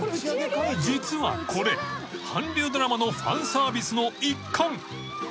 ［実はこれ韓流ドラマのファンサービスの一環］